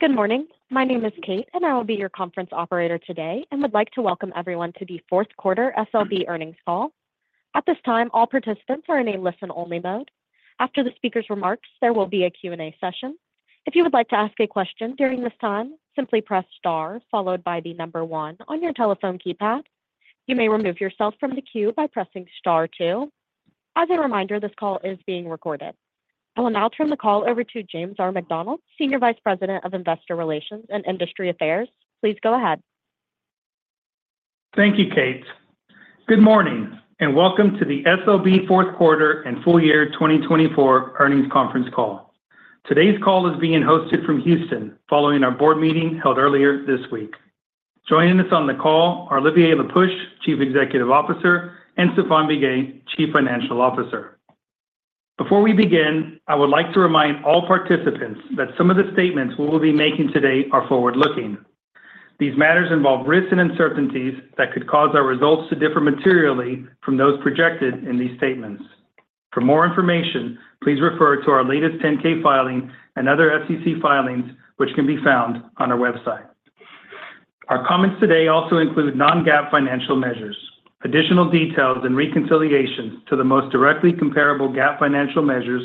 Good morning. My name is Kate, and I will be your conference operator today and would like to welcome everyone to the fourth quarter SLB earnings call. At this time, all participants are in a listen-only mode. After the speaker's remarks, there will be a Q&A session. If you would like to ask a question during this time, simply press star followed by the number one on your telephone keypad. You may remove yourself from the queue by pressing star two. As a reminder, this call is being recorded. I will now turn the call over to James R. McDonald, Senior Vice President of Investor Relations and Industry Affairs. Please go ahead. Thank you, Kate. Good morning and welcome to the SLB fourth quarter and full year 2024 earnings conference call. Today's call is being hosted from Houston following our board meeting held earlier this week. Joining us on the call are Olivier Le Peuch, Chief Executive Officer, and Stéphane Biguet, Chief Financial Officer. Before we begin, I would like to remind all participants that some of the statements we will be making today are forward-looking. These matters involve risks and uncertainties that could cause our results to differ materially from those projected in these statements. For more information, please refer to our latest 10-K filing and other SEC filings, which can be found on our website. Our comments today also include non-GAAP financial measures. Additional details and reconciliations to the most directly comparable GAAP financial measures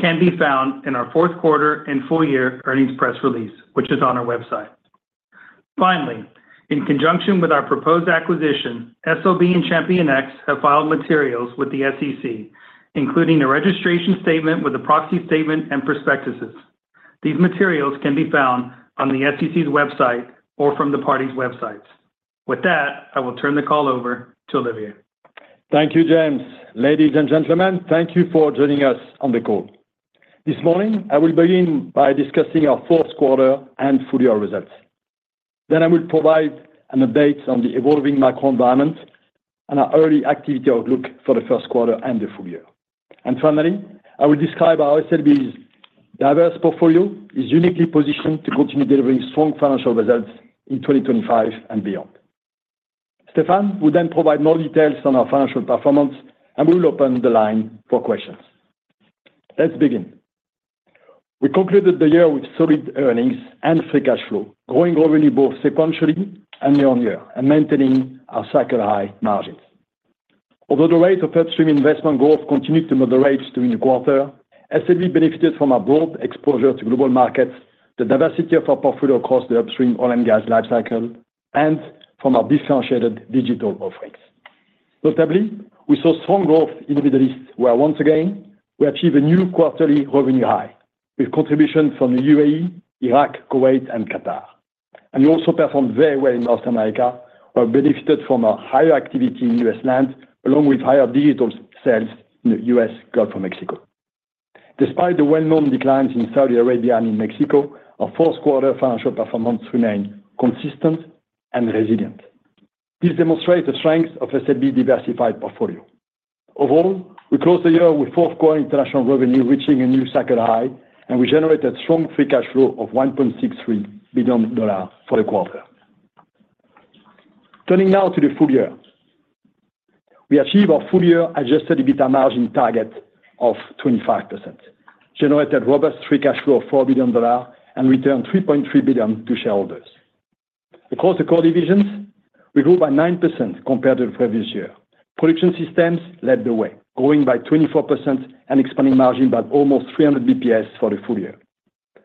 can be found in our fourth quarter and full year earnings press release, which is on our website. Finally, in conjunction with our proposed acquisition, SLB and ChampionX have filed materials with the SEC, including a registration statement with a proxy statement and prospectuses. These materials can be found on the SEC's website or from the parties' websites. With that, I will turn the call over to Olivier. Thank you, James. Ladies and gentlemen, thank you for joining us on the call. This morning, I will begin by discussing our fourth quarter and full year results. Then I will provide an update on the evolving macro environment and our early activity outlook for the first quarter and the full year. And finally, I will describe how SLB's diverse portfolio is uniquely positioned to continue delivering strong financial results in 2025 and beyond. Stéphane will then provide more details on our financial performance, and we will open the line for questions. Let's begin. We concluded the year with solid earnings and free cash flow, growing revenue both sequentially and year-on-year and maintaining our cycle high margins. Although the rate of upstream investment growth continued to moderate during the quarter, SLB benefited from our broad exposure to global markets, the diversity of our portfolio across the upstream oil and gas lifecycle, and from our differentiated digital offerings. Notably, we saw strong growth in the Middle East, where once again we achieved a new quarterly revenue high with contributions from the UAE, Iraq, Kuwait, and Qatar and we also performed very well in North America, where we benefited from our higher activity in U.S. land, along with higher Digital sales in the U.S. and from Mexico. Despite the well-known declines in Saudi Arabia and in Mexico, our fourth quarter financial performance remained consistent and resilient. This demonstrates the strength of SLB's diversified portfolio. Overall, we closed the year with fourth quarter international revenue reaching a new cycle high, and we generated strong free cash flow of $1.63 billion for the quarter. Turning now to the full year, we achieved our full year adjusted EBITDA margin target of 25%, generated robust free cash flow of $4 billion, and returned $3.3 billion to shareholders. Across the core divisions, we grew by 9% compared to the previous year. Production Systems led the way, growing by 24% and expanding margin by almost 300 basis points for the full year.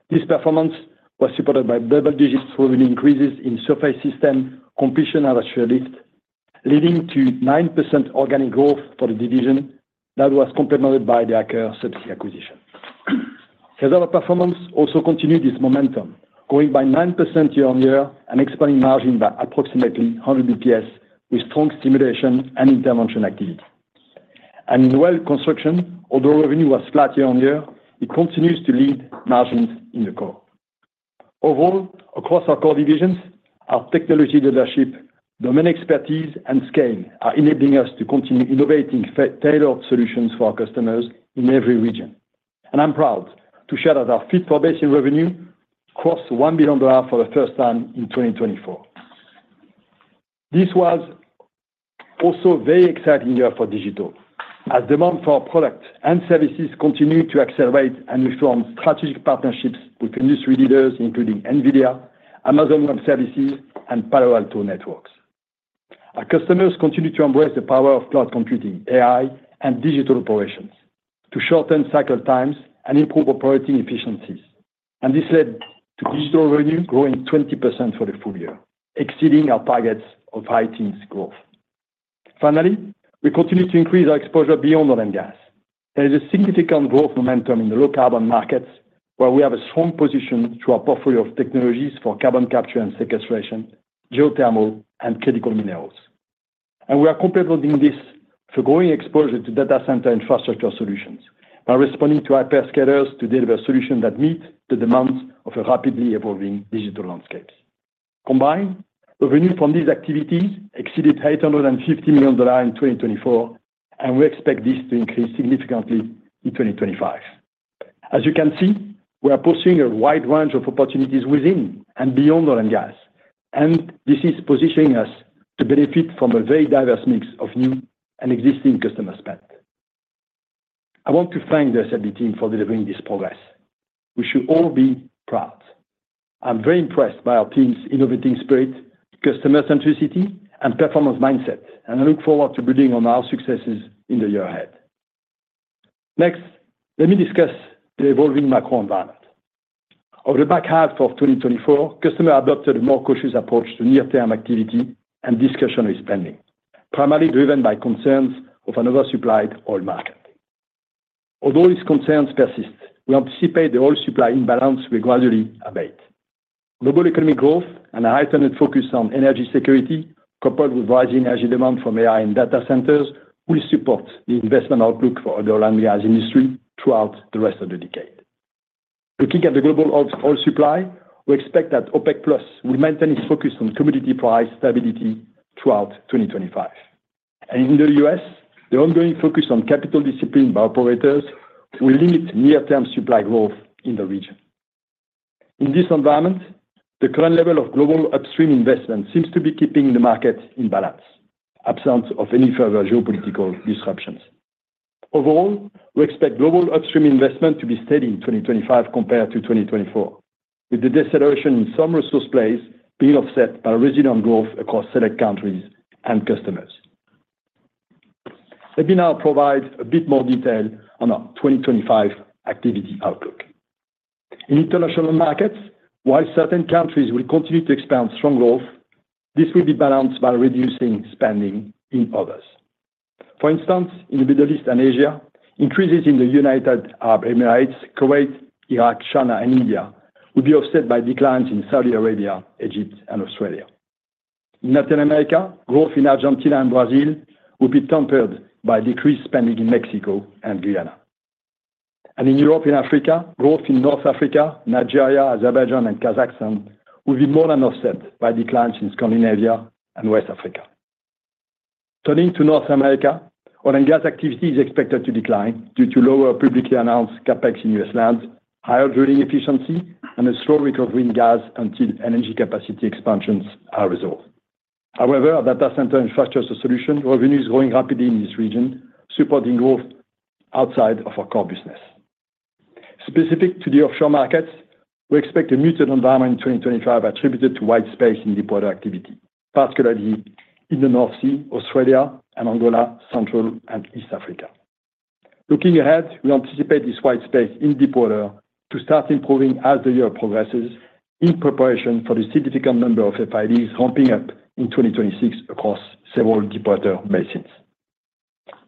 This performance was supported by double-digit revenue increases in Surface Systems, Completions, and Artificial Lift, leading to 9% organic growth for the division that was complemented by the Aker Subsea acquisition. Well Construction performance also continued this momentum, growing by 9% year-on-year and expanding margin by approximately 100 basis points with strong stimulation and intervention activity. In Well Construction, although revenue was flat year-on-year, it continues to lead margins in the core. Overall, across our core divisions, our technology leadership, domain expertise, and scale are enabling us to continue innovating tailored solutions for our customers in every region. I'm proud to share that our software revenue crossed $1 billion for the first time in 2024. This was also a very exciting year for digital, as demand for our products and services continued to accelerate and form strategic partnerships with industry leaders, including NVIDIA, Amazon Web Services, and Palo Alto Networks. Our customers continue to embrace the power of cloud computing, AI, and Digital Operations to shorten cycle times and improve operating efficiencies. This led to Digital revenue growing 20% for the full year, exceeding our targets of high-teens growth. Finally, we continue to increase our exposure beyond oil and gas. There is a significant growth momentum in the low-carbon markets, where we have a strong position through our portfolio of technologies for carbon capture and sequestration, geothermal, and critical minerals, and we are complementing this with a growing exposure to data center infrastructure solutions by responding to hyperscalers to deliver solutions that meet the demands of rapidly evolving digital landscapes. Combined, revenue from these activities exceeded $850 million in 2024, and we expect this to increase significantly in 2025. As you can see, we are pursuing a wide range of opportunities within and beyond oil and gas, and this is positioning us to benefit from a very diverse mix of new and existing customer spend. I want to thank the SLB team for delivering this progress. We should all be proud. I'm very impressed by our team's innovating spirit, customer centricity, and performance mindset, and I look forward to building on our successes in the year ahead. Next, let me discuss the evolving macro environment. Over the back half of 2024, customers adopted a more cautious approach to near-term activity and discretionary spending, primarily driven by concerns of an oversupplied oil market. Although these concerns persist, we anticipate the oil supply imbalance will gradually abate. Global economic growth and a heightened focus on energy security, coupled with rising energy demand from AI and data centers, will support the investment outlook for the oil and gas industry throughout the rest of the decade. Looking at the global oil supply, we expect that OPEC+ will maintain its focus on commodity price stability throughout 2025. And in the U.S., the ongoing focus on capital discipline by operators will limit near-term supply growth in the region. In this environment, the current level of global upstream investment seems to be keeping the market in balance, absent of any further geopolitical disruptions. Overall, we expect global upstream investment to be steady in 2025 compared to 2024, with the deceleration in some resource plays being offset by resilient growth across select countries and customers. Let me now provide a bit more detail on our 2025 activity outlook. In international markets, while certain countries will continue to expand strong growth, this will be balanced by reducing spending in others. For instance, in the Middle East and Asia, increases in the United Arab Emirates, Kuwait, Iraq, China, and India will be offset by declines in Saudi Arabia, Egypt, and Australia. In Latin America, growth in Argentina and Brazil will be tempered by decreased spending in Mexico and Guyana. And in Europe and Africa, growth in North Africa, Nigeria, Azerbaijan, and Kazakhstan will be more than offset by declines in Scandinavia and West Africa. Turning to North America, oil and gas activity is expected to decline due to lower publicly announced CapEx in U.S. land, higher drilling efficiency, and a slow recovery in gas until energy capacity expansions are resolved. However, data center infrastructure solution revenue is growing rapidly in this region, supporting growth outside of our core business. Specific to the offshore markets, we expect a muted environment in 2025 attributed to white space in deepwater activity, particularly in the North Sea, Australia, and Angola, Central and East Africa. Looking ahead, we anticipate this white space in deepwater to start improving as the year progresses in preparation for the significant number of FIDs ramping up in 2026 across several deepwater basins.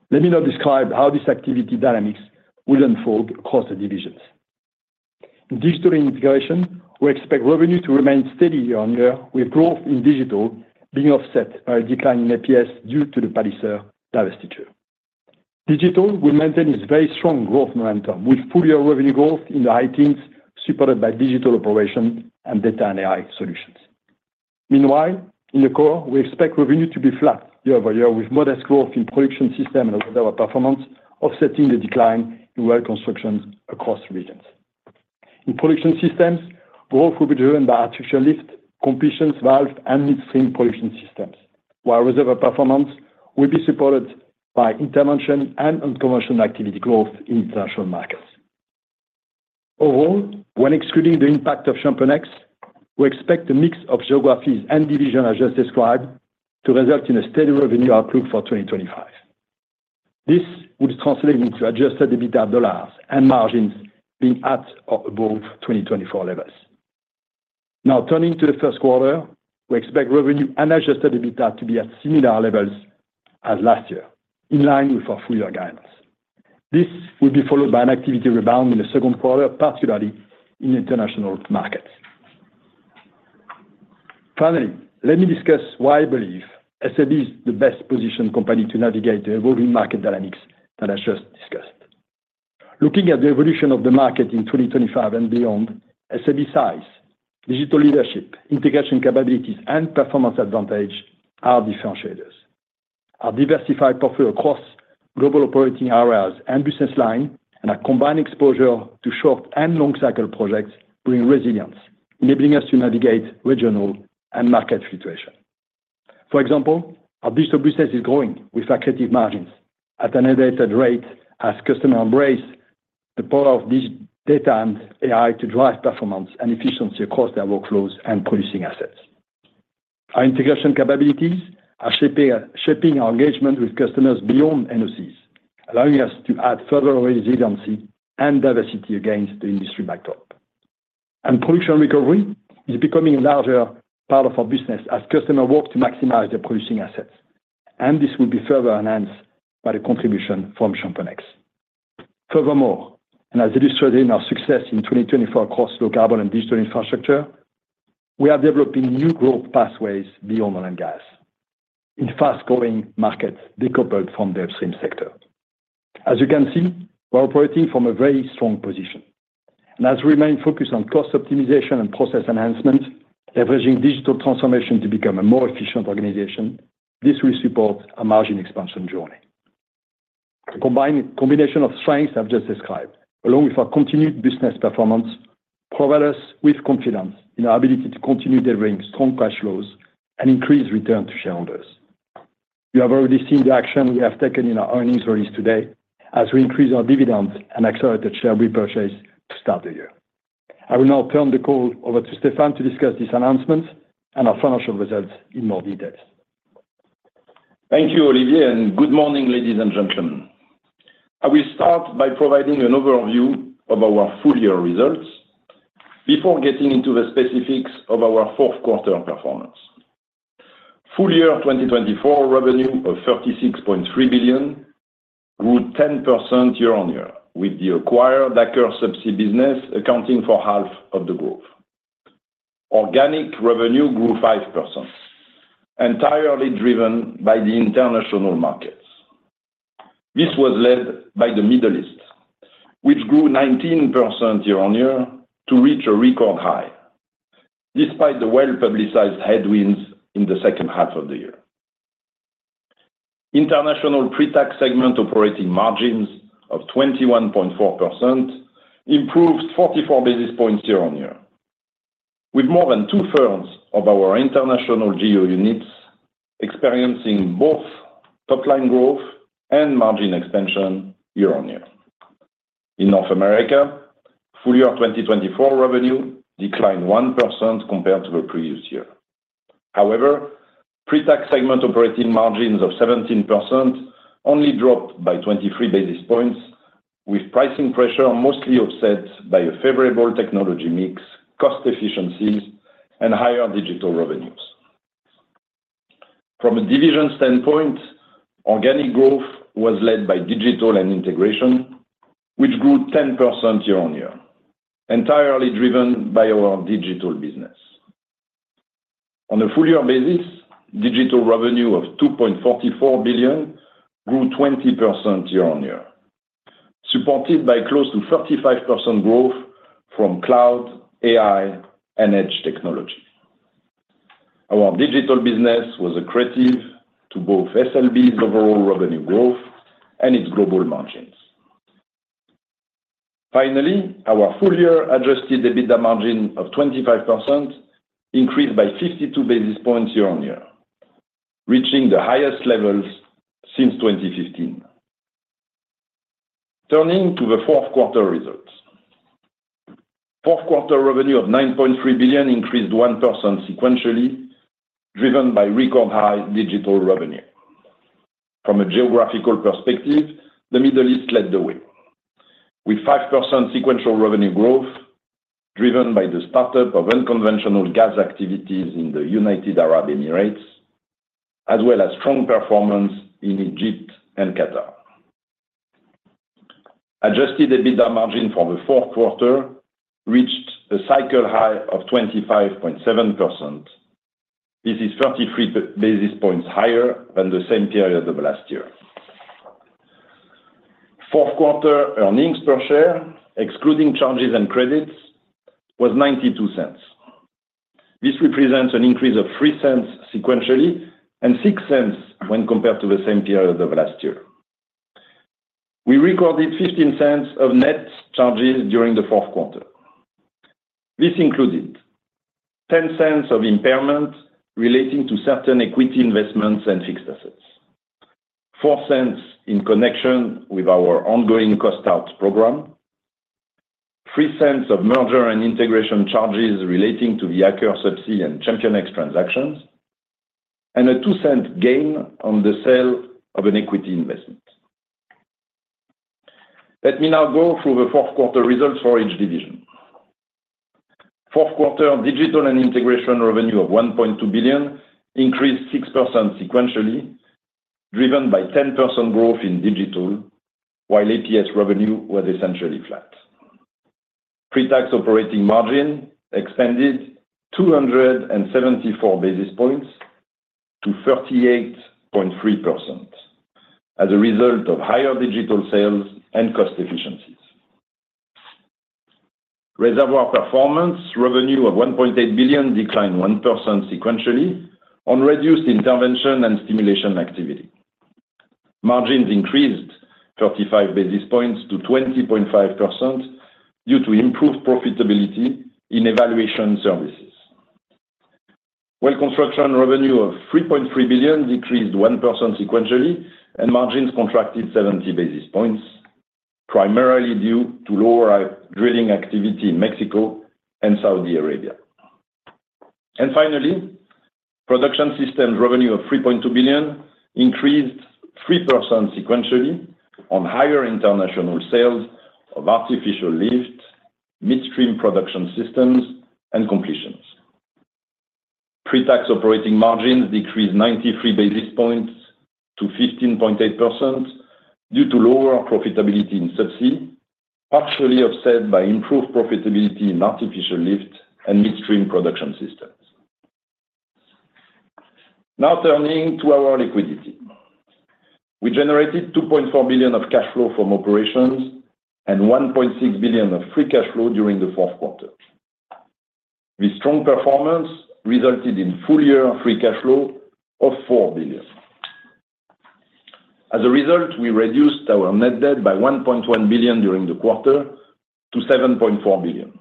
Let me now describe how this activity dynamics will unfold across the divisions. Digital & Integration, we expect revenue to remain steady year-on-year, with growth in Digital being offset by a declining APS due to the Palliser divestiture. Digital will maintain its very strong growth momentum with full year revenue growth in the high teens supported by Digital Operations and Data and AI solutions. Meanwhile, in the core, we expect revenue to be flat year-over-year, with modest growth in Production Systems and Reservoir Performance offsetting the decline in Well Construction across regions. In Production Systems, growth will be driven by Artificial Lift, Completions, Valves, and Midstream Production Systems, while Reservoir Performance will be supported by intervention and unconventional activity growth in international markets. Overall, when excluding the impact of ChampionX, we expect a mix of geographies and divisions, as just described, to result in a steady revenue outlook for 2025. This would translate into Adjusted EBITDA dollars and margins being at or above 2024 levels. Now, turning to the first quarter, we expect revenue and Adjusted EBITDA to be at similar levels as last year, in line with our full year guidance. This will be followed by an activity rebound in the second quarter, particularly in international markets. Finally, let me discuss why I believe SLB is the best positioned company to navigate the evolving market dynamics that I just discussed. Looking at the evolution of the market in 2025 and beyond, SLB's size, digital leadership, integration capabilities, and performance advantage are differentiators. Our diversified portfolio across global operating areas and business lines and our combined exposure to short and long cycle projects bring resilience, enabling us to navigate regional and market fluctuation. For example, our Digital business is growing with accretive margins at an elevated rate as customers embrace the power of Data and AI to drive performance and efficiency across their workflows and producing assets. Our integration capabilities are shaping our engagement with customers beyond NOCs, allowing us to add further resiliency and diversity against the industry backdrop, and production recovery is becoming a larger part of our business as customers work to maximize their producing assets, and this will be further enhanced by the contribution from ChampionX. Furthermore, and as illustrated in our success in 2024 across low carbon and digital infrastructure, we are developing new growth pathways beyond oil and gas in fast-growing markets decoupled from the upstream sector. As you can see, we're operating from a very strong position. And as we remain focused on cost optimization and process enhancement, leveraging digital transformation to become a more efficient organization, this will support our margin expansion journey. The combination of strengths I've just described, along with our continued business performance, provides us with confidence in our ability to continue delivering strong cash flows and increase return to shareholders. You have already seen the action we have taken in our earnings release today as we increase our dividends and accelerate share repurchase to start the year. I will now turn the call over to Stéphane to discuss these announcements and our financial results in more detail. Thank you, Olivier, and good morning, ladies and gentlemen. I will start by providing an overview of our full year results before getting into the specifics of our fourth quarter performance. Full year 2024 revenue of $36.3 billion grew 10% year-on-year, with the acquired Aker subsea business accounting for half of the growth. Organic revenue grew 5%, entirely driven by the international markets. This was led by the Middle East, which grew 19% year-on-year to reach a record high, despite the well-publicized headwinds in the second half of the year. International pre-tax segment operating margins of 21.4% improved 44 basis points year-on-year, with more than 2/3 of our international GEO units experiencing both top-line growth and margin expansion year-on-year. In North America, full year 2024 revenue declined 1% compared to the previous year. However, pre-tax segment operating margins of 17% only dropped by 23 basis points, with pricing pressure mostly offset by a favorable technology mix, cost efficiencies, and higher Digital revenues. From a division standpoint, organic growth was led by Digital & Integration, which grew 10% year-on-year, entirely driven by our Digital business. On a full year basis, Digital revenue of $2.44 billion grew 20% year-on-year, supported by close to 35% growth from cloud, AI, and edge technology. Our Digital business was accretive to both SLB's overall revenue growth and its global margins. Finally, our full year adjusted EBITDA margin of 25% increased by 52 basis points year-on-year, reaching the highest levels since 2015. Turning to the fourth quarter results, fourth quarter revenue of $9.3 billion increased 1% sequentially, driven by record-high Digital revenue. From a geographical perspective, the Middle East led the way, with 5% sequential revenue growth driven by the startup of unconventional gas activities in the United Arab Emirates, as well as strong performance in Egypt and Qatar. Adjusted EBITDA margin for the fourth quarter reached a cycle high of 25.7%. This is 33 basis points higher than the same period of last year. Fourth quarter earnings per share, excluding charges and credits, was $0.92. This represents an increase of $0.03 sequentially and $0.06 when compared to the same period of last year. We recorded $0.15 of net charges during the fourth quarter. This included $0.10 of impairment relating to certain equity investments and fixed assets, $0.04 in connection with our ongoing cost-out program, $0.03 of merger and integration charges relating to the Aker subsea and ChampionX transactions, and a $0.02 gain on the sale of an equity investment. Let me now go through the fourth quarter results for each division. Fourth quarter Digital & Integration revenue of $1.2 billion increased 6% sequentially, driven by 10% growth in Digital, while APS revenue was essentially flat. Pre-tax operating margin expanded 274 basis points to 38.3% as a result of higher Digital sales and cost efficiencies. Reservoir Performance revenue of $1.8 billion declined 1% sequentially on reduced intervention and stimulation activity. Margins increased 35 basis points to 20.5% due to improved profitability in evaluation services. Well Construction revenue of $3.3 billion decreased 1% sequentially, and margins contracted 70 basis points, primarily due to lower drilling activity in Mexico and Saudi Arabia. And finally, Production Systems revenue of $3.2 billion increased 3% sequentially on higher international sales of Artificial Lift, Midstream Production Systems, and Completions. Pre-tax operating margins decreased 93 basis points to 15.8% due to lower profitability in subsea, partially offset by improved profitability in Artificial Lift and Midstream Production Systems. Now turning to our liquidity. We generated $2.4 billion of cash flow from operations and $1.6 billion of free cash flow during the fourth quarter. This strong performance resulted in full year free cash flow of $4 billion. As a result, we reduced our net debt by $1.1 billion during the quarter to $7.4 billion.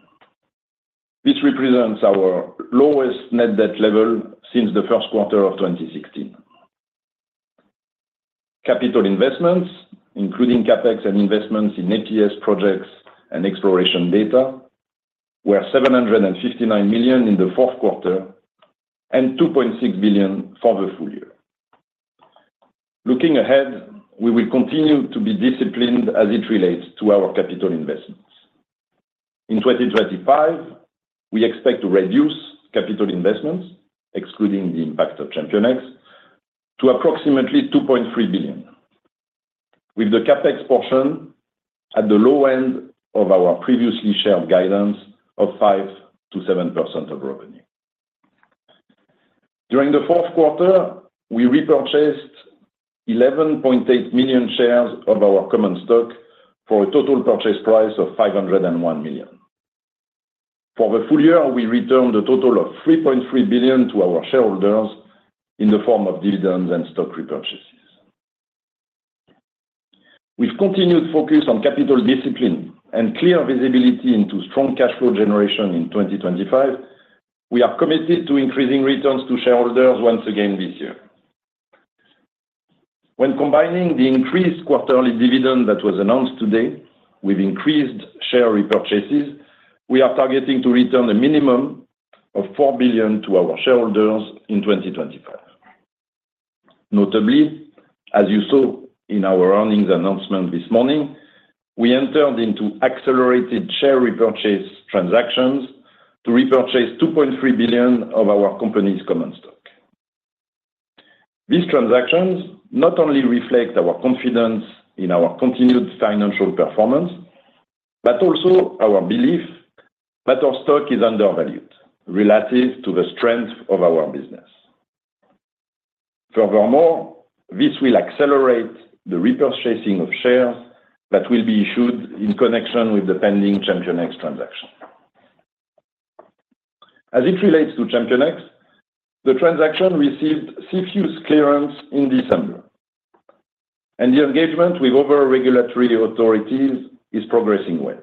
This represents our lowest net debt level since the first quarter of 2016. Capital investments, including CapEx and investments in APS projects and exploration data, were $759 million in the fourth quarter and $2.6 billion for the full year. Looking ahead, we will continue to be disciplined as it relates to our capital investments. In 2025, we expect to reduce capital investments, excluding the impact of ChampionX, to approximately $2.3 billion, with the CapEx portion at the low end of our previously shared guidance of 5%-7% of revenue. During the fourth quarter, we repurchased 11.8 million shares of our common stock for a total purchase price of $501 million. For the full year, we returned a total of $3.3 billion to our shareholders in the form of dividends and stock repurchases. With continued focus on capital discipline and clear visibility into strong cash flow generation in 2025, we are committed to increasing returns to shareholders once again this year. When combining the increased quarterly dividend that was announced today with increased share repurchases, we are targeting to return a minimum of $4 billion to our shareholders in 2025. Notably, as you saw in our earnings announcement this morning, we entered into accelerated share repurchase transactions to repurchase $2.3 billion of our company's common stock. These transactions not only reflect our confidence in our continued financial performance, but also our belief that our stock is undervalued relative to the strength of our business. Furthermore, this will accelerate the repurchasing of shares that will be issued in connection with the pending ChampionX transaction. As it relates to ChampionX, the transaction received CFIUS's clearance in December, and the engagement with other regulatory authorities is progressing well.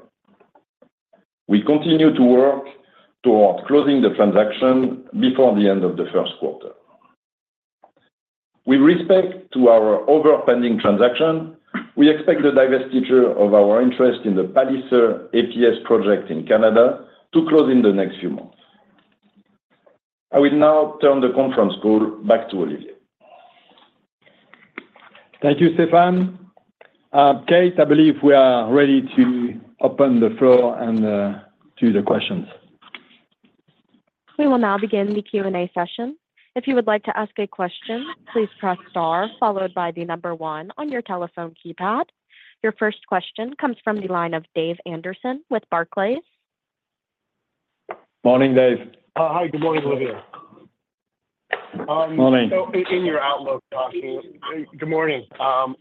We continue to work toward closing the transaction before the end of the first quarter. With respect to our Aker pending transaction, we expect the divestiture of our interest in the Palliser APS project in Canada to close in the next few months. I will now turn the conference call back to Olivier. Thank you, Stéphane. Kate, I believe we are ready to open the floor to the questions. We will now begin the Q&A session. If you would like to ask a question, please press star followed by the number one on your telephone keypad. Your first question comes from the line of Dave Anderson with Barclays. Morning, Dave. Hi, good morning, Olivier. Morning. In your outlook, good morning.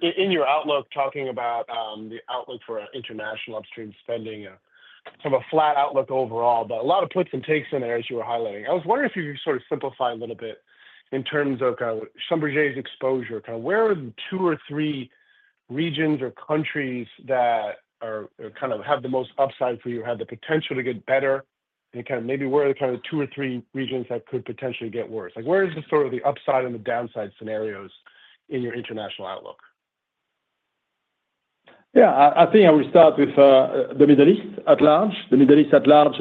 In your outlook, talking about the outlook for international upstream spending, sort of a flat outlook overall, but a lot of nicks and tucks in there, as you were highlighting. I was wondering if you could sort of simplify a little bit in terms of Schlumberger's exposure. Kind of where are the two or three regions or countries that kind of have the most upside for you, have the potential to get better, and kind of maybe where are the kind of two or three regions that could potentially get worse? Where is the sort of the upside and the downside scenarios in your international outlook? Yeah, I think I will start with the Middle East at large. The Middle East at large,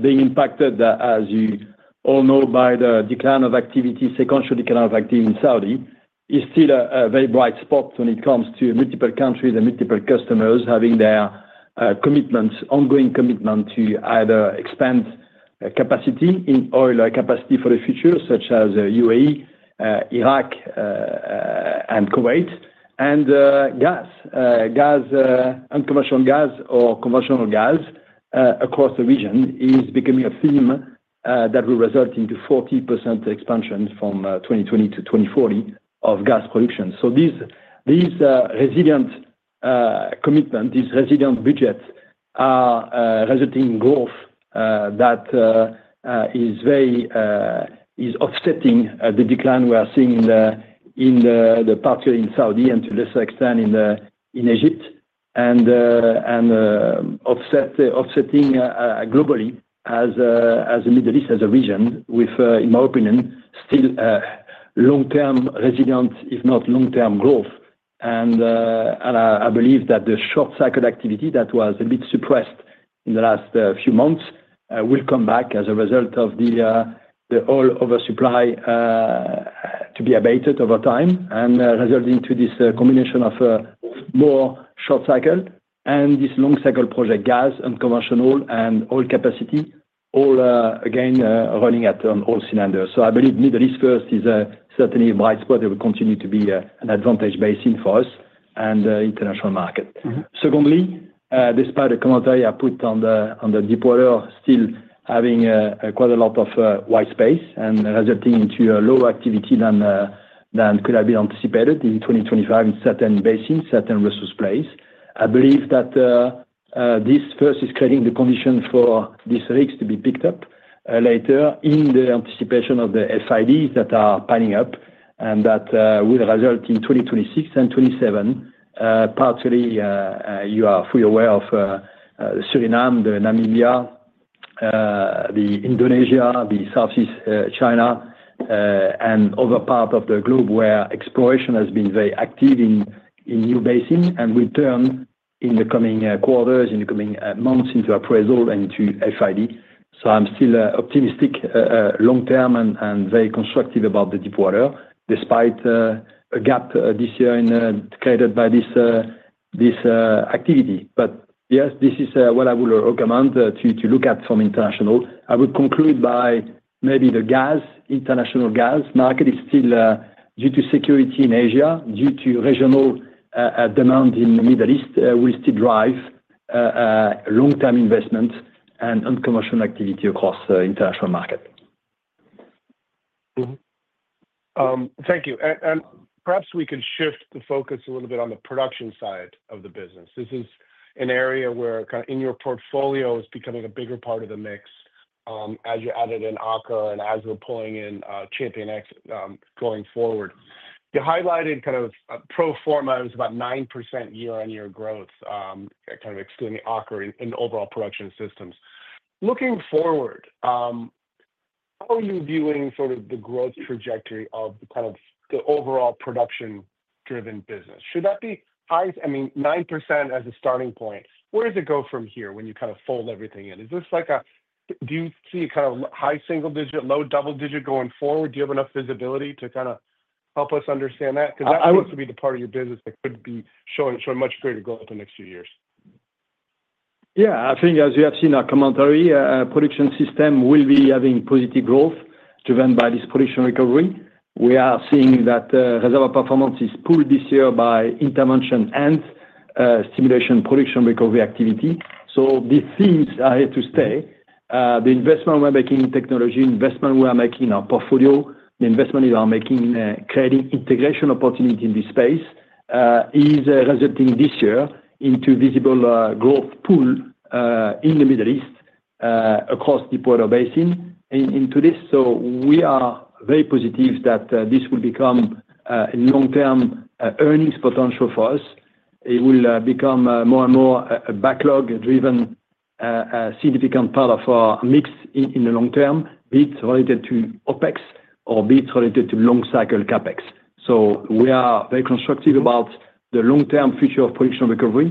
being impacted, as you all know, by the decline of activity, sequential decline of activity in Saudi, is still a very bright spot when it comes to multiple countries and multiple customers having their commitments, ongoing commitment to either expand capacity in oil capacity for the future, such as UAE, Iraq, and Kuwait, and gas. Gas, unconventional gas or conventional gas across the region is becoming a theme that will result in 40% expansion from 2020 to 2040 of gas production. So these resilient commitments, these resilient budgets are resulting in growth that is very offsetting the decline we are seeing, particularly in Saudi Arabia and to a lesser extent in Egypt and offsetting globally as the Middle East as a region with, in my opinion, still long-term resilient, if not long-term growth. And I believe that the short-cycle activity that was a bit suppressed in the last few months will come back as a result of the oil oversupply to be abated over time and resulting in this combination of more short-cycle and this long-cycle project, gas, unconventional, and oil capacity, all again running at an all-cylinders. So I believe Middle East, first, is certainly a bright spot that will continue to be an advantaged basin for us and the international market. Secondly, despite the commentary I put on the deepwater, still having quite a lot of white space and resulting in a lower activity than could have been anticipated in 2025 in certain basins, certain resource plays. I believe that this, first, is creating the conditions for these rigs to be picked up later in the anticipation of the FIDs that are piling up and that will result in 2026 and 2027, particularly you are fully aware of Suriname, Namibia, Indonesia, Southeast China, and other parts of the globe where exploration has been very active in new basins and will turn in the coming quarters, in the coming months into appraisal and into FID. I'm still optimistic long-term and very constructive about the deepwater despite a gap this year created by this activity. But yes, this is what I would recommend to look at from international. I would conclude by maybe the gas. International gas market is still, due to security in Asia, due to regional demand in the Middle East, will still drive long-term investments and unconventional activity across the international market. Thank you. And perhaps we can shift the focus a little bit on the production side of the business. This is an area where kind of in your portfolio is becoming a bigger part of the mix as you added in Aker and as we're pulling in ChampionX going forward. You highlighted kind of pro forma, it was about 9% year-on-year growth, kind of excluding Aker in overall Production Systems. Looking forward, how are you viewing sort of the growth trajectory of kind of the overall production-driven business? Should that be high, I mean, 9% as a starting point? Where does it go from here when you kind of fold everything in? Is this like a, do you see kind of high single digit, low double digit going forward? Do you have enough visibility to kind of help us understand that? Because that looks to be the part of your business that could be showing much greater growth in the next few years. Yeah, I think as you have seen our commentary, Production Systems will be having positive growth driven by this production recovery. We are seeing that Reservoir Performance is pulled this year by intervention and stimulation production recovery activity. So these things are here to stay. The investment we're making in technology, investment we are making in our portfolio, the investment we are making in creating integration opportunity in this space is resulting this year into visible growth pool in the Middle East across deepwater basin into this. So we are very positive that this will become a long-term earnings potential for us. It will become more and more a backlog-driven significant part of our mix in the long term, be it related to OpEx or be it related to long-cycle CapEx. So we are very constructive about the long-term future of production recovery.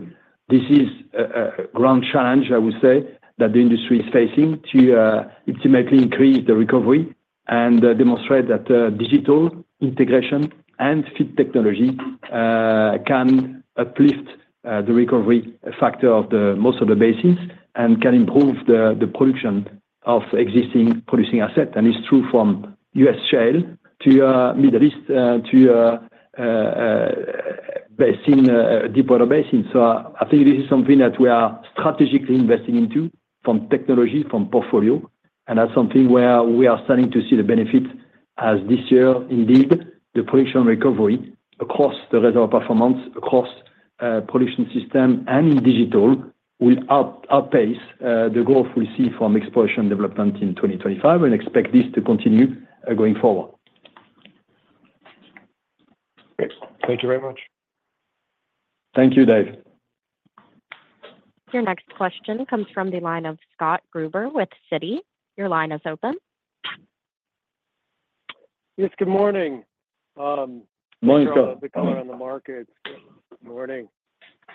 This is a grand challenge, I would say, that the industry is facing to ultimately increase the recovery and demonstrate that Digital, Integration, and fit technology can uplift the recovery factor of most of the basins and can improve the production of existing producing assets. And it's true from U.S. shale to Middle East to basin deepwater basin. So I think this is something that we are strategically investing into from technology, from portfolio. And that's something where we are starting to see the benefits as this year, indeed, the production recovery across the Reservoir Performance, across Production Systems and in Digital will outpace the growth we see from exploration development in 2025 and expect this to continue going forward. Thank you very much. Thank you, Dave. Your next question comes from the line of Scott Gruber with Citi. Your line is open. Yes, good morning. Morning, Scott. Good color on the markets. Good morning.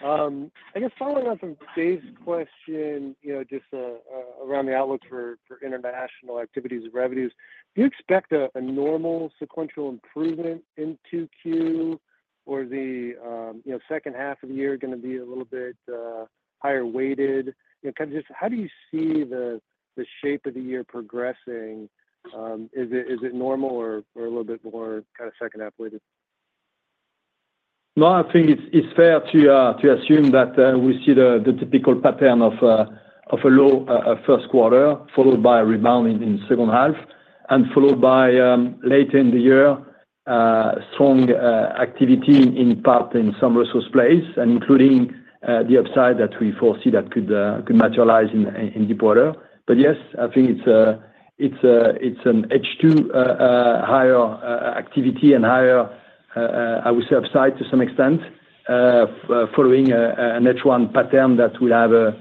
I guess following on from Dave's question, just around the outlook for international activities and revenues, do you expect a normal sequential improvement in Q2 or the second half of the year going to be a little bit higher weighted? Kind of just how do you see the shape of the year progressing? Is it normal or a little bit more kind of second half weighted? No, I think it's fair to assume that we see the typical pattern of a low first quarter followed by a rebound in the second half and followed by later in the year, strong activity in part in some resource plays and including the upside that we foresee that could materialize in deep water. But yes, I think it's an H2 higher activity and higher, I would say, upside to some extent following an H1 pattern that will have a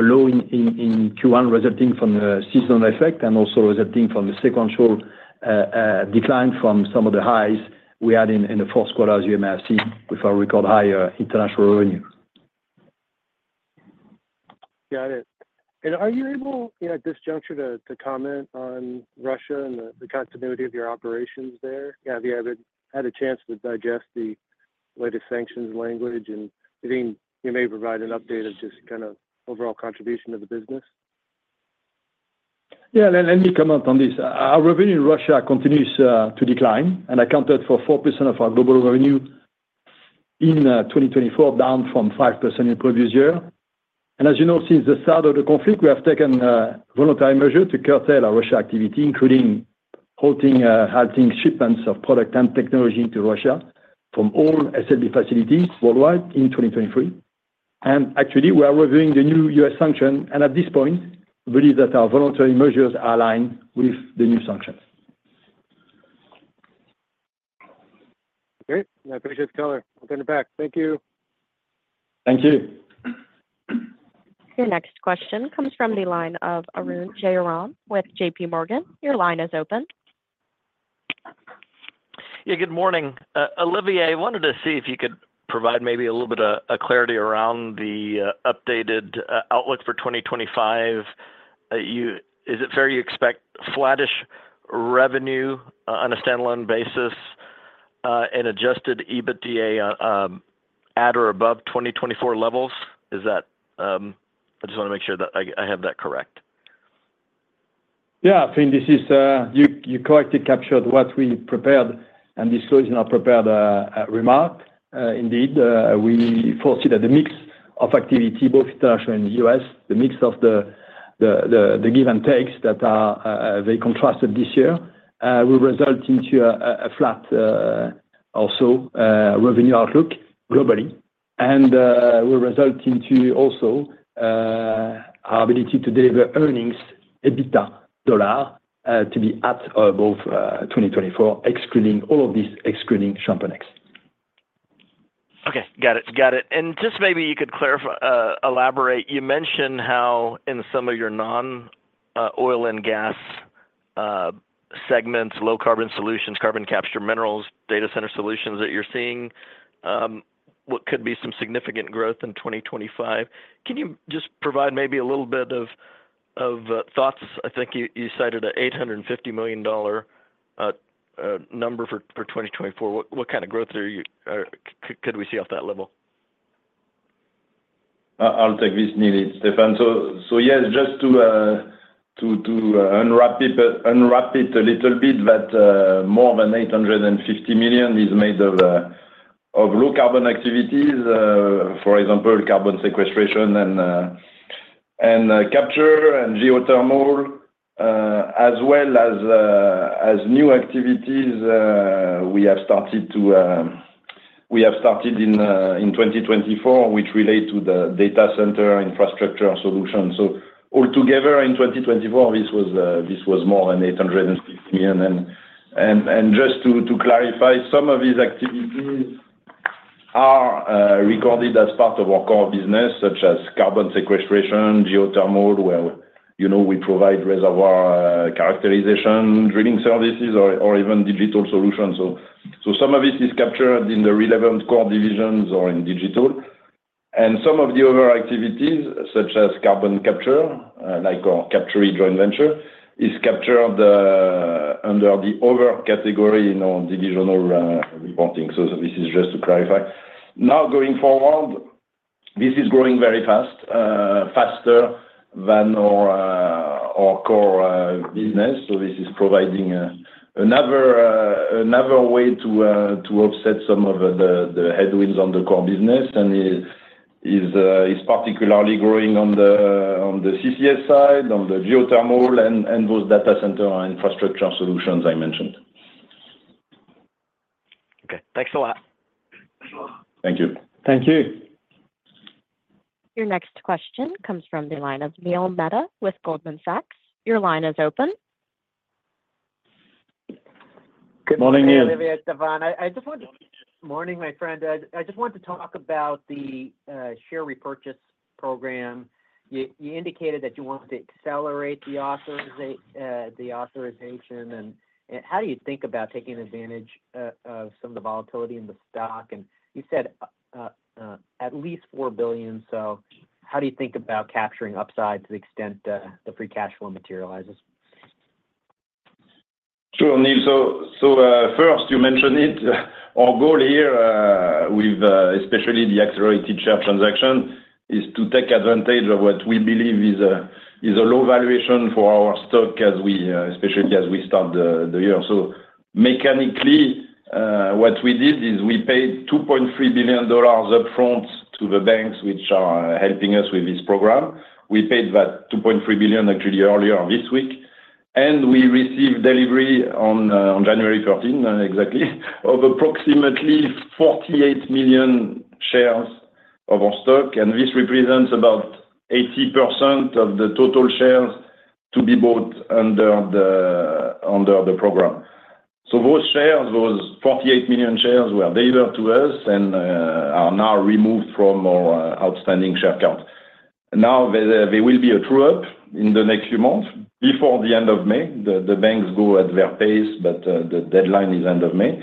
low in Q1 resulting from the seasonal effect and also resulting from the sequential decline from some of the highs we had in the fourth quarter, as you may have seen, with our record higher international revenue. Got it. And are you able at this juncture to comment on Russia and the continuity of your operations there? Have you ever had a chance to digest the latest sanctions language? And I think you may provide an update of just kind of overall contribution to the business. Yeah, let me come up on this. Our revenue in Russia continues to decline, and accounted for 4% of our global revenue in 2024, down from 5% in the previous year. As you know, since the start of the conflict, we have taken voluntary measures to curtail our Russia activity, including halting shipments of product and technology to Russia from all SLB facilities worldwide in 2023. And actually, we are reviewing the new U.S. sanction, and at this point, I believe that our voluntary measures are aligned with the new sanctions. Great. I appreciate the color. I'll turn it back. Thank you. Thank you. Your next question comes from the line of Arun Jayaram with JPMorgan. Your line is open. Yeah, good morning. Olivier, I wanted to see if you could provide maybe a little bit of clarity around the updated outlook for 2025. Is it fair you expect flattish revenue on a standalone basis and adjusted EBITDA at or above 2024 levels? I just want to make sure that I have that correct. Yeah, I think this is you correctly captured what we prepared and disclosed in our prepared remark. Indeed, we foresee that the mix of activity, both international and U.S., the mix of the give and takes that are very contrasted this year will result into a flat also revenue outlook globally and will result into also our ability to deliver earnings EBITDA dollar to be at or above 2024, excluding all of these, excluding ChampionX's. Okay, got it. Got it. And just maybe you could elaborate. You mentioned how in some of your non-oil and gas segments, low carbon solutions, carbon capture minerals, data center solutions that you're seeing, what could be some significant growth in 2025. Can you just provide maybe a little bit of thoughts? I think you cited a $850 million number for 2024. What kind of growth could we see off that level? I'll take this, Arun. It's Stéphane. Yes, just to unwrap it a little bit, but more than $850 million is made of low carbon activities, for example, carbon sequestration and capture and geothermal, as well as new activities we have started in 2024, which relate to the data center infrastructure solutions. Altogether in 2024, this was more than $850 million. Just to clarify, some of these activities are recorded as part of our core business, such as carbon sequestration, geothermal, where we provide reservoir characterization, drilling services, or even Digital solutions. Some of this is captured in the relevant core divisions or in Digital. Some of the other activities, such as carbon capture, like our capture joint venture, is captured under the other category in our divisional reporting. This is just to clarify. Now, going forward, this is growing very fast, faster than our core business. So this is providing another way to offset some of the headwinds on the core business and is particularly growing on the CCS side, on the geothermal and those data center infrastructure solutions I mentioned. Okay, thanks a lot. Thank you. Thank you. Your next question comes from the line of Neil Mehta with Goldman Sachs. Your line is open. Good morning, Neil. Olivier, Stéphane, I just wanted to—morning, my friend. I just wanted to talk about the share repurchase program. You indicated that you wanted to accelerate the authorization. And how do you think about taking advantage of some of the volatility in the stock? And you said at least $4 billion. So how do you think about capturing upside to the extent the free cash flow materializes? Sure, Neil. So first, you mentioned it. Our goal here, especially the accelerated share transaction, is to take advantage of what we believe is a low valuation for our stock, especially as we start the year. Mechanically, what we did is we paid $2.3 billion upfront to the banks which are helping us with this program. We paid that $2.3 billion actually earlier this week. We received delivery on January 13, exactly, of approximately 48 million shares of our stock. This represents about 80% of the total shares to be bought under the program. So those shares, those 48 million shares, were delivered to us and are now removed from our outstanding share count. Now, there will be a true-up in the next few months before the end of May. The banks go at their pace, but the deadline is end of May.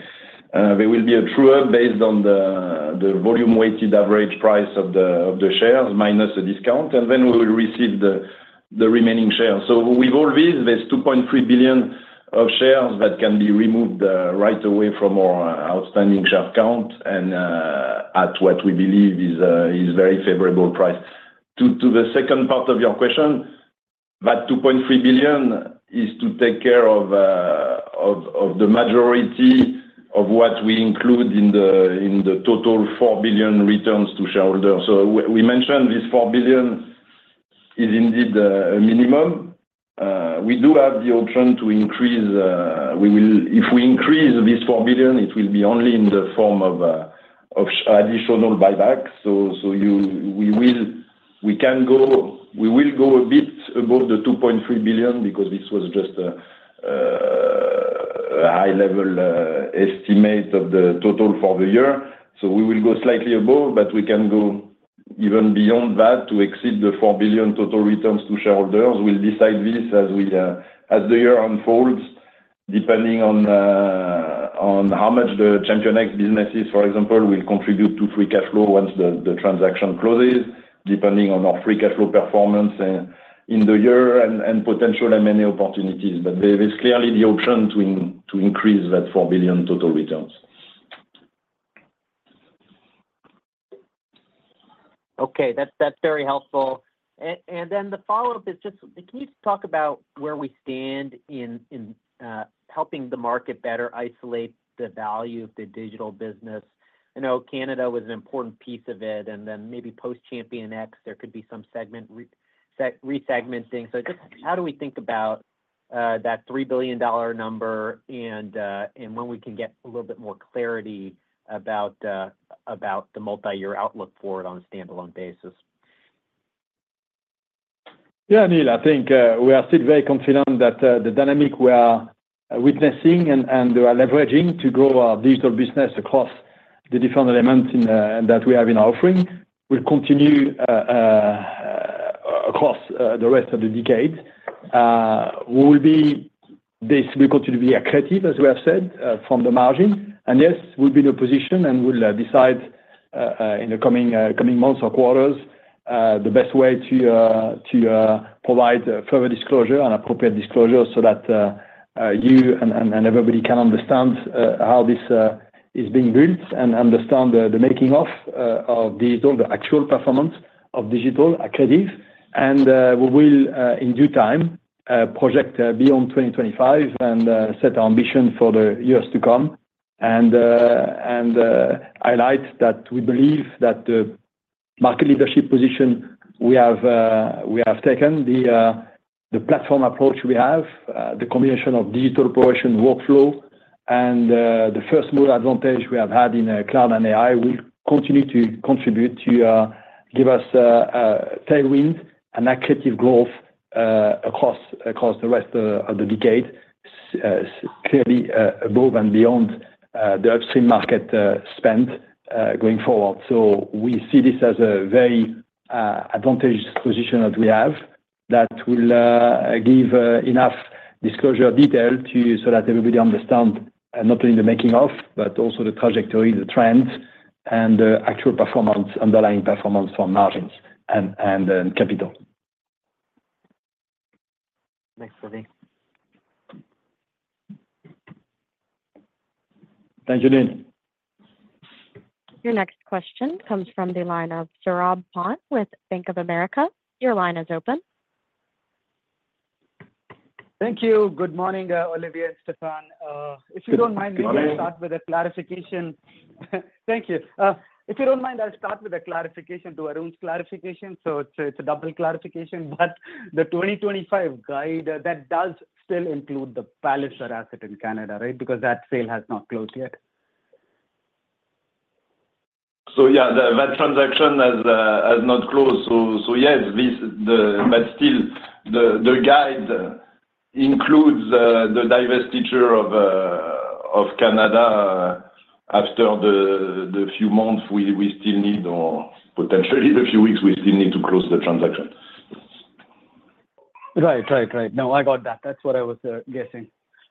There will be a true-up based on the volume-weighted average price of the shares minus the discount, and then we will receive the remaining shares. So with all these, there's 2.3 billion of shares that can be removed right away from our outstanding share count and at what we believe is a very favorable price. To the second part of your question, that 2.3 billion is to take care of the majority of what we include in the total $4 billion returns to shareholders. So we mentioned this $4 billion is indeed a minimum. We do have the option to increase. If we increase this $4 billion, it will be only in the form of additional buybacks. So we can go, we will go a bit above the 2.3 billion because this was just a high-level estimate of the total for the year. So we will go slightly above, but we can go even beyond that to exceed the $4 billion total returns to shareholders. We'll decide this as the year unfolds, depending on how much the ChampionX businesses, for example, will contribute to free cash flow once the transaction closes, depending on our free cash flow performance in the year and potential M&A opportunities. But there is clearly the option to increase that $4 billion total returns. Okay, that's very helpful. And then the follow-up is just, can you talk about where we stand in helping the market better isolate the value of the Digital business? I know Canada was an important piece of it, and then maybe post-ChampionX, there could be some resegmenting. So just how do we think about that $3 billion number and when we can get a little bit more clarity about the multi-year outlook for it on a standalone basis? Yeah, Neil, I think we are still very confident that the dynamic we are witnessing and leveraging to grow our Digital business across the different elements that we have in our offering will continue across the rest of the decade. We will continue to be creative, as we have said, from the margin. And yes, we'll be in a position and we'll decide in the coming months or quarters the best way to provide further disclosure and appropriate disclosure so that you and everybody can understand how this is being built and understand the making of digital, the actual performance of digital, a credit. And we will, in due time, project beyond 2025 and set our ambition for the years to come and highlight that we believe that the market leadership position we have taken, the platform approach we have, the combination of digital operation workflow, and the first move advantage we have had in cloud and AI will continue to contribute to give us tailwind and accretive growth across the rest of the decade, clearly above and beyond the upstream market spend going forward. So we see this as a very advantageous position that we have that will give enough disclosure detail so that everybody understands not only the making of, but also the trajectory, the trends, and the actual performance, underlying performance for margins and capital. Thanks, Olivier. Thank you, Neil. Your next question comes from the line of Saurabh Pant with Bank of America. Your line is open. Thank you. Good morning, Olivier and Stéphane. If you don't mind, maybe I'll start with a clarification. Thank you. If you don't mind, I'll start with a clarification to Arun's clarification. So it's a double clarification, but the 2025 guide, that does still include the Palliser in Canada, right? Because that sale has not closed yet. So yeah, that transaction has not closed. So yes, but still, the guide includes the divestiture of Canada after a few months. We still need, or potentially a few weeks, we still need to close the transaction. Right, right, right. No, I got that. That's what I was guessing.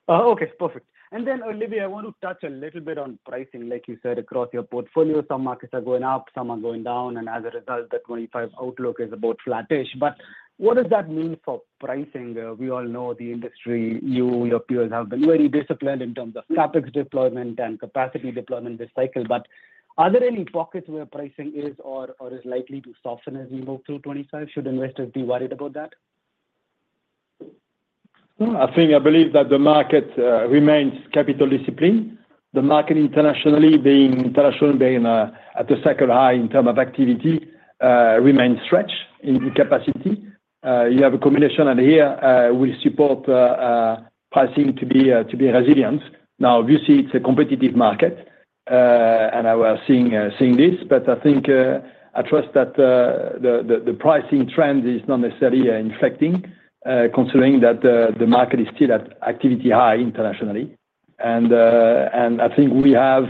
Okay, perfect. And then, Olivier, I want to touch a little bit on pricing. Like you said, across your portfolio, some markets are going up, some are going down, and as a result, the 2025 outlook is about flattish. But what does that mean for pricing? We all know the industry, you, your peers have been very disciplined in terms of CapEx deployment and capacity deployment this cycle. But are there any pockets where pricing is or is likely to soften as we move through 2025? Should investors be worried about that? I think I believe that the market remains capital discipline. The market internationally, being at a second high in terms of activity, remains stretched in capacity. You have a combination here which supports pricing to be resilient. Now, obviously, it's a competitive market, and I was seeing this, but I think I trust that the pricing trend is not necessarily inflecting, considering that the market is still at activity high internationally. I think we have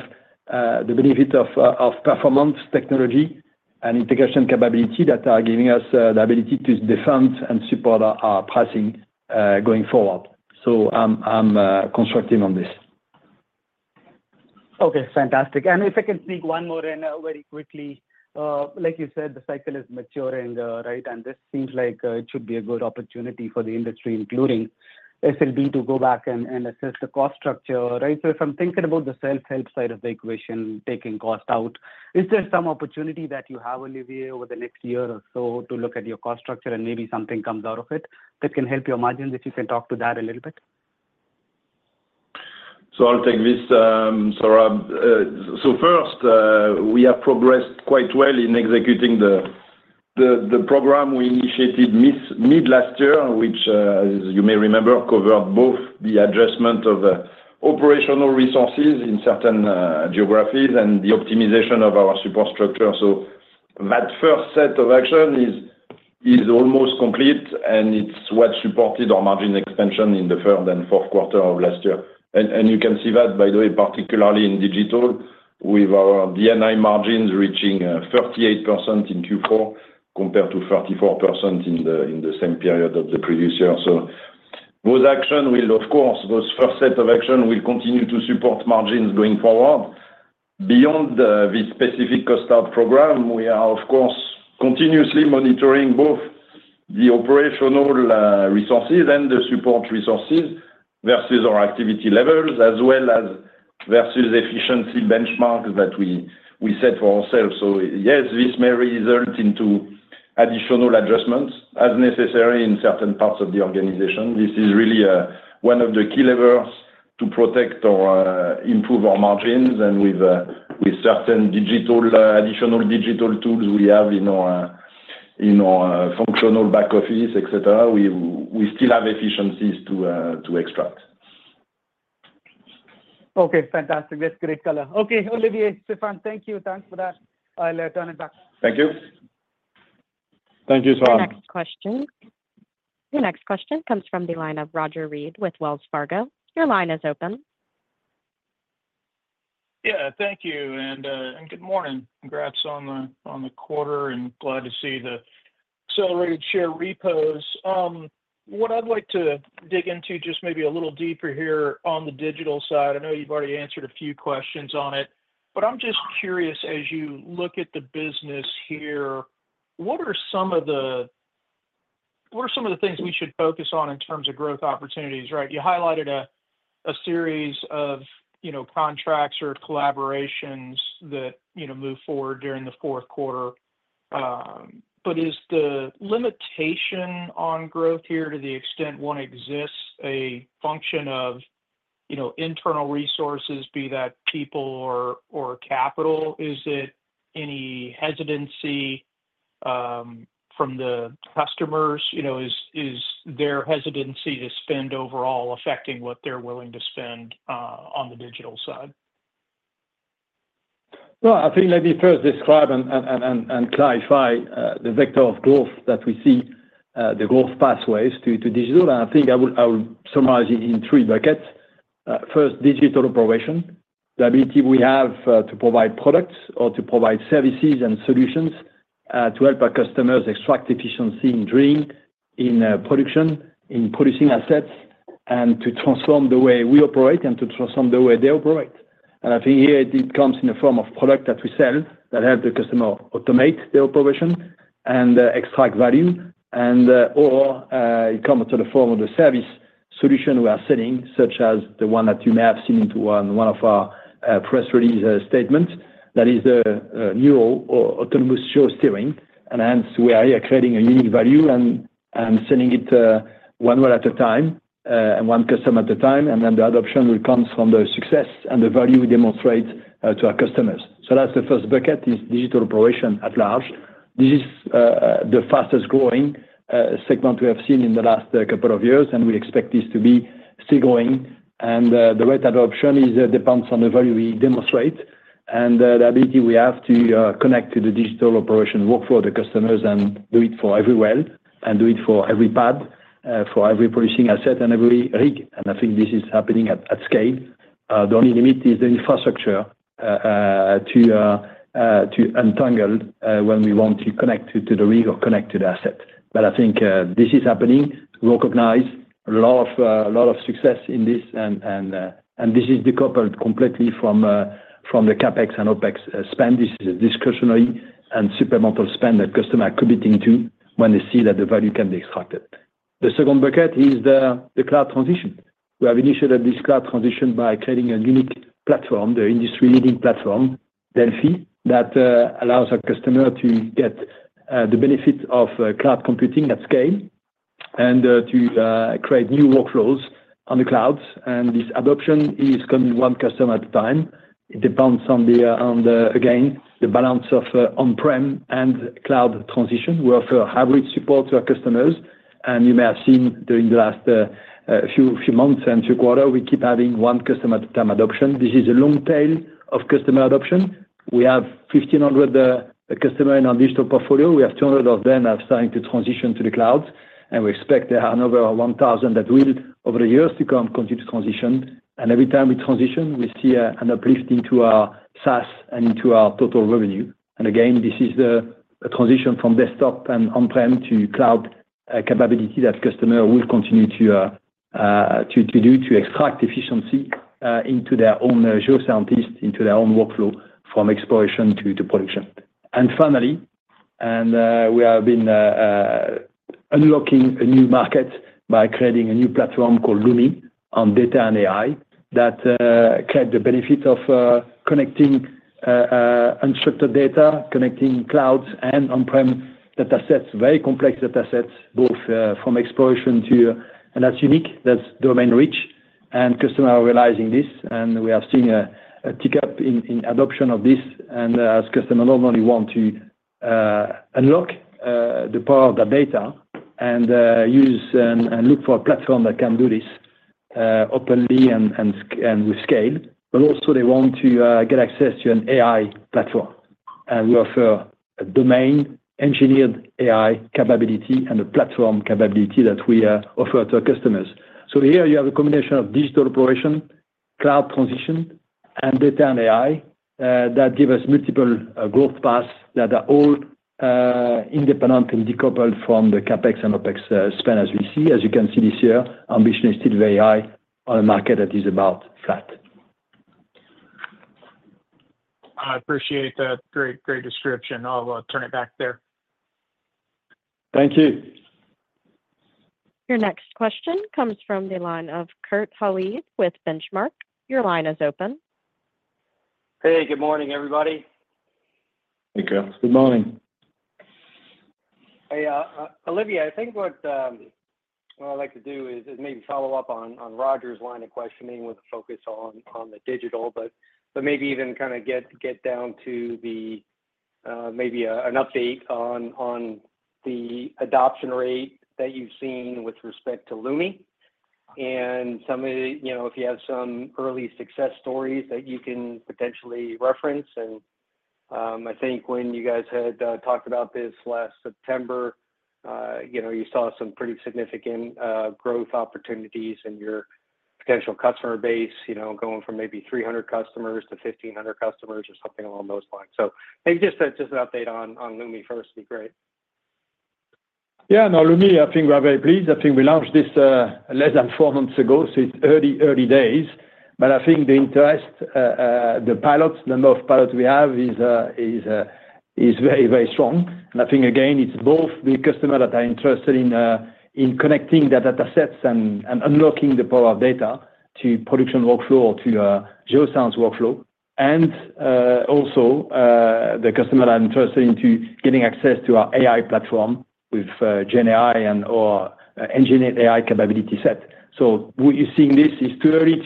the benefit of performance, technology, and integration capability that are giving us the ability to defend and support our pricing going forward. So I'm constructive on this. Okay, fantastic. If I can speak one more time very quickly, like you said, the cycle is maturing, right? And this seems like it should be a good opportunity for the industry, including SLB, to go back and assess the cost structure, right? So if I'm thinking about the self-help side of the equation, taking cost out, is there some opportunity that you have, Olivier, over the next year or so to look at your cost structure and maybe something comes out of it that can help your margins if you can talk to that a little bit? So I'll take this, Saurabh. So first, we have progressed quite well in executing the program we initiated mid-last year, which, as you may remember, covered both the adjustment of operational resources in certain geographies and the optimization of our support structure. So that first set of actions is almost complete, and it's what supported our margin expansion in the third and fourth quarter of last year. And you can see that, by the way, particularly in Digital, with our D&I margins reaching 38% in Q4 compared to 34% in the same period of the previous year. So those actions will, of course, those first set of actions will continue to support margins going forward. Beyond the specific cost out program, we are, of course, continuously monitoring both the operational resources and the support resources versus our activity levels, as well as versus efficiency benchmarks that we set for ourselves. So yes, this may result into additional adjustments as necessary in certain parts of the organization. This is really one of the key levers to protect or improve our margins. And with certain additional digital tools we have in our functional back office, etc., we still have efficiencies to extract. Okay, fantastic. That's great color. Okay, Olivier, Stéphane, thank you. Thanks for that. I'll turn it back. Thank you. Thank you, Saurabh. Your next question comes from the line of Roger Read with Wells Fargo. Your line is open. Yeah, thank you. And good morning. Congrats on the quarter, and glad to see the accelerated share repos. What I'd like to dig into just maybe a little deeper here on the digital side. I know you've already answered a few questions on it, but I'm just curious. As you look at the business here, what are some of the things we should focus on in terms of growth opportunities, right? You highlighted a series of contracts or collaborations that move forward during the fourth quarter. But is the limitation on growth here, to the extent one exists, a function of internal resources, be that people or capital? Is it any hesitancy from the customers? Is their hesitancy to spend overall affecting what they're willing to spend on the digital side? I think let me first describe and clarify the vector of growth that we see, the growth pathways to digital. I think I will summarize it in three buckets. First, digital operation, the ability we have to provide products or to provide services and solutions to help our customers extract efficiency in drilling, in production, in producing assets, and to transform the way we operate and to transform the way they operate. I think here it comes in the form of product that we sell that help the customer automate their operation and extract value. And/or it comes to the form of the service solution we are selling, such as the one that you may have seen in one of our press release statements, that is the Neuro autonomous geosteering. Hence, we are creating a unique value and selling it one well at a time and one customer at a time. Then the adoption will come from the success and the value we demonstrate to our customers. That's the first bucket: Digital Operations at large. This is the fastest growing segment we have seen in the last couple of years, and we expect this to be still growing. The rapid adoption depends on the value we demonstrate and the ability we have to connect to the Digital Operations workflow for the customers and do it for every well and do it for every pad, for every producing asset and every rig. I think this is happening at scale. The only limit is the infrastructure to integrate when we want to connect to the rig or connect to the asset. I think this is happening. We recognize a lot of success in this, and this is decoupled completely from the CapEx and OpEx spend. This is discretionary and supplemental spend that customers are committing to when they see that the value can be extracted. The second bucket is the cloud transition. We have initiated this cloud transition by creating a unique platform, the industry-leading platform, Delfi, that allows our customers to get the benefit of cloud computing at scale and to create new workflows on the clouds, and this adoption is coming one customer at a time. It depends on, again, the balance of on-prem and cloud transition. We offer hybrid support to our customers, and you may have seen during the last few months and few quarters, we keep having one customer at a time adoption. This is a long tail of customer adoption. We have 1,500 customers in our digital portfolio. We have 200 of them that are starting to transition to the cloud. We expect there are another 1,000 that will, over the years, continue to transition. Every time we transition, we see an uplift into our SaaS and into our total revenue. Again, this is the transition from desktop and on-prem to cloud capability that customers will continue to do to extract efficiency into their own subsurface scientists, into their own workflow from exploration to production. Finally, we have been unlocking a new market by creating a new platform called Lumi on Data and AI that creates the benefit of connecting unstructured data, connecting clouds and on-prem datasets, very complex datasets, both from exploration to. That's unique. That's domain-rich. Customers are realizing this. We are seeing a tick up in adoption of this. As customers not only want to unlock the power of the data and use and look for a platform that can do this openly and with scale, but also they want to get access to an AI platform. We offer a domain-engineered AI capability and a platform capability that we offer to our customers. So here, you have a combination of digital operation, cloud transition, and data and AI that give us multiple growth paths that are all independent and decoupled from the CapEx and OpEx spend, as we see. As you can see this year, ambition is still very high on a market that is about flat. I appreciate that. Great, great description. I'll turn it back there. Thank you. Your next question comes from the line of Kurt Hallead with Benchmark. Your line is open. Hey, good morning, everybody. Hey, Kurt. Good morning. Hey, Olivier, I think what I'd like to do is maybe follow up on Roger's line of questioning with a focus on the digital, but maybe even kind of get down to maybe an update on the adoption rate that you've seen with respect to Lumi. And if you have some early success stories that you can potentially reference. And I think when you guys had talked about this last September, you saw some pretty significant growth opportunities in your potential customer base, going from maybe 300 customers to 1,500 customers or something along those lines. So maybe just an update on Lumi first would be great. Yeah, no, Lumi, I think we're very pleased. I think we launched this less than four months ago, so it's early, early days. But I think the interest, the number of pilots we have is very, very strong. And I think, again, it's both the customers that are interested in connecting the datasets and unlocking the power of data to production workflow or to subsurface workflow. And also the customers that are interested in getting access to our AI platform with GenAI and/or engineered AI capability set. So what you're seeing, this is too early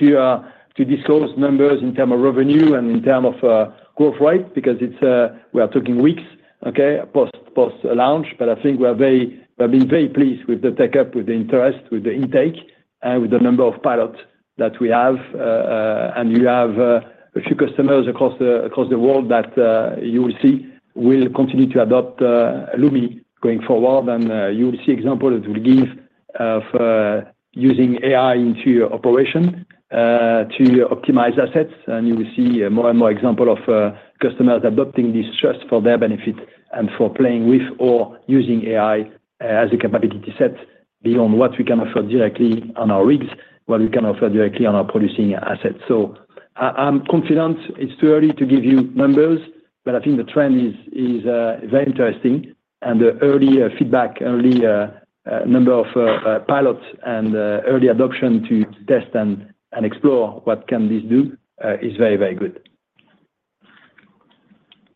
to disclose numbers in terms of revenue and in terms of growth rate because we are talking weeks, okay, post-launch. But I think we have been very pleased with the take-up, with the interest, with the intake, and with the number of pilots that we have. And we have a few customers across the world that you will see will continue to adopt Lumi going forward. And you will see examples that I'll give of using AI into your operation to optimize assets. And you will see more and more examples of customers adopting this just for their benefit and for playing with or using AI as a capability set beyond what we can offer directly on our rigs, what we can offer directly on our producing assets. So I'm confident it's too early to give you numbers, but I think the trend is very interesting. And the early feedback, early number of pilots and early adoption to test and explore what can this do is very, very good.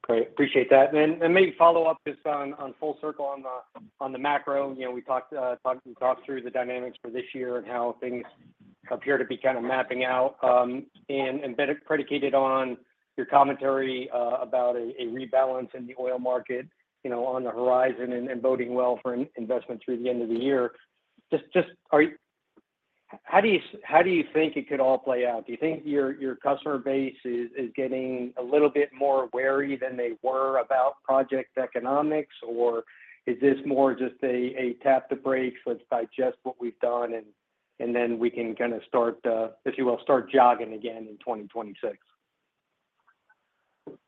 Great. Appreciate that. And maybe follow up just on full circle on the macro. We talked through the dynamics for this year and how things appear to be kind of mapping out and predicated on your commentary about a rebalance in the oil market on the horizon and boding well for investment through the end of the year. How do you think it could all play out? Do you think your customer base is getting a little bit more wary than they were about project economics, or is this more just a tap the brakes, let's digest what we've done, and then we can kind of start, if you will, start jogging again in 2026?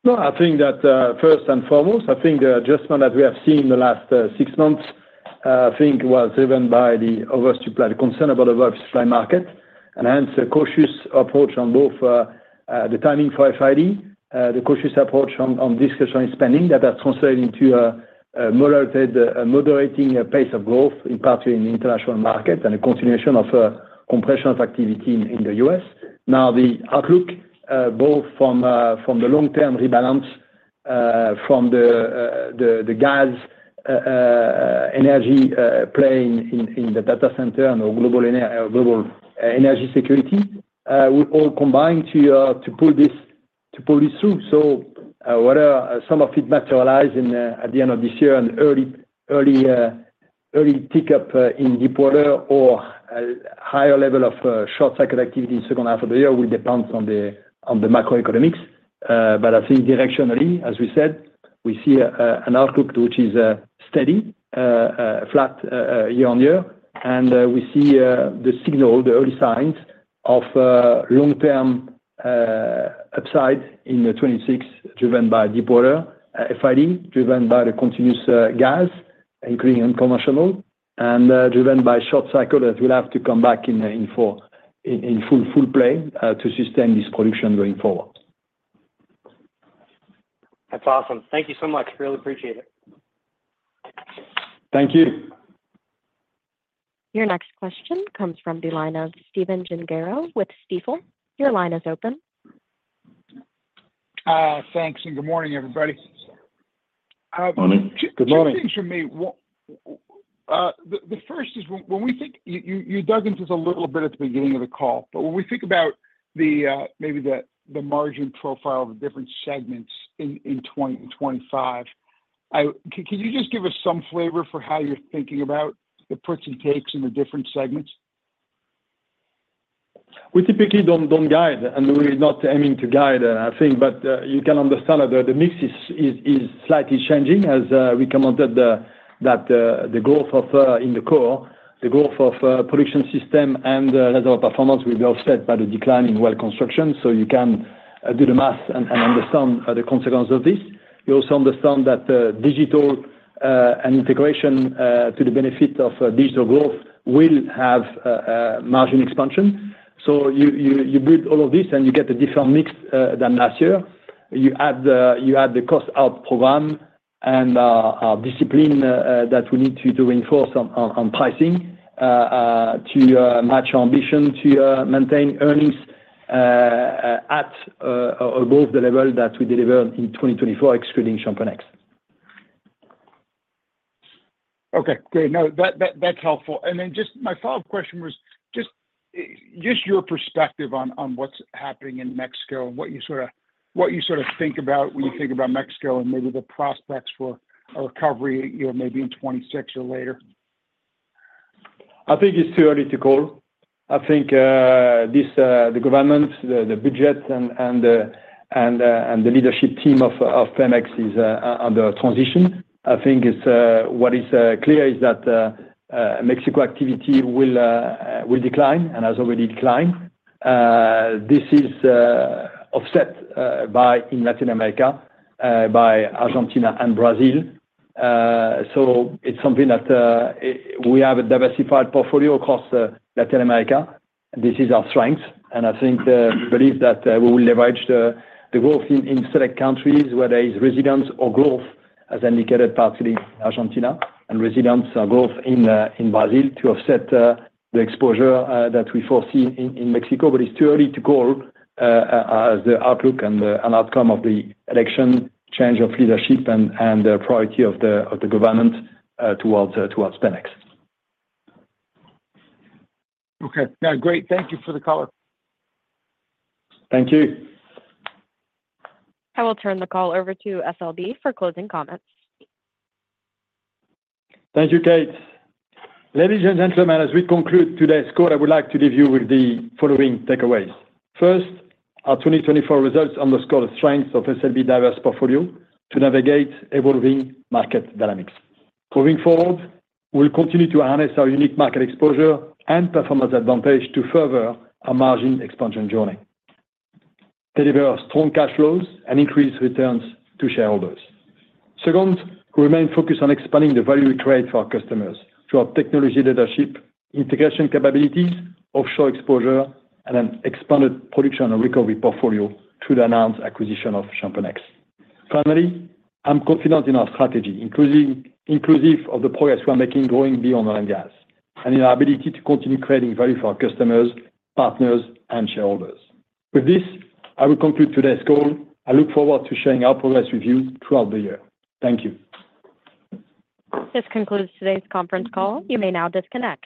Well, I think that first and foremost, I think the adjustment that we have seen in the last six months, I think, was driven by the oversupply, the concern about the oversupply market. And hence, a cautious approach on both the timing for FID, the cautious approach on discretionary spending that has translated into a moderating pace of growth, in part in the international market, and a continuation of compression of activity in the U.S. Now, the outlook, both from the long-term rebalance, from the gas energy play in the data center and global energy security, will all combine to pull this through, so whether some of it materializes at the end of this year and early tick up in deepwater or a higher level of short-cycle activity in the second half of the year will depend on the macroeconomics, but I think directionally, as we said, we see an outlook which is steady, flat year-on-year, and we see the signal, the early signs of long-term upside in 2026, driven by deepwater FID, driven by the continuous gas, including unconventional, and driven by short-cycle that will have to come back in full play to sustain this production going forward. That's awesome. Thank you so much. Really appreciate it. Thank you. Your next question comes from the line of Stephen Gengaro with Stifel. Your line is open. Thanks, and good morning, everybody. Good morning. Good morning. The first is, when we think you dug into this a little bit at the beginning of the call, but when we think about maybe the margin profile of the different segments in 2025, could you just give us some flavor for how you're thinking about the puts and takes in the different segments? We typically don't guide, and we're not aiming to guide, I think, but you can understand that the mix is slightly changing. As we commented that the growth in the core, the growth of Production Systems and Reservoir Performance will be offset by the decline in Well Construction. So you can do the math and understand the consequence of this. You also understand that Digital & Integration to the benefit of digital growth will have margin expansion. So you build all of this and you get a different mix than last year. You add the cost-out program and discipline that we need to reinforce on pricing to match our ambition to maintain earnings at or above the level that we delivered in 2024, excluding ChampionX. Okay. Great. No, that's helpful. Then just my follow-up question was just your perspective on what's happening in Mexico and what you sort of think about when you think about Mexico and maybe the prospects for a recovery maybe in 2026 or later. I think it's too early to call. I think the government, the budget, and the leadership team of PEMEX is under transition. I think what is clear is that Mexico activity will decline and has already declined. This is offset in Latin America by Argentina and Brazil, so it's something that we have a diversified portfolio across Latin America. This is our strength, and I believe that we will leverage the growth in select countries where there is resilience or growth, as indicated, particularly in Argentina, and resilience or growth in Brazil to offset the exposure that we foresee in Mexico, but it's too early to call as the outlook and outcome of the election change of leadership and the priority of the government towards PEMEX. Okay. Great. Thank you for the color. Thank you. I will turn the call over to SLB for closing comments. Thank you, Kate. Ladies and gentlemen, as we conclude today's call, I would like to leave you with the following takeaways. First, our 2024 results underscore the strength of SLB's diverse portfolio to navigate evolving market dynamics. Moving forward, we'll continue to harness our unique market exposure and performance advantage to further our margin expansion journey, deliver strong cash flows, and increase returns to shareholders. Second, we remain focused on expanding the value we create for our customers through our technology leadership, integration capabilities, offshore exposure, and an expanded production and recovery portfolio through the announced acquisition of ChampionX. Finally, I'm confident in our strategy, inclusive of the progress we're making growing beyond oil and gas, and in our ability to continue creating value for our customers, partners, and shareholders. With this, I will conclude today's call. I look forward to sharing our progress with you throughout the year. Thank you. This concludes today's conference call. You may now disconnect.